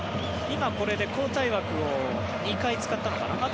今、これで交代枠を２回使ったのかな。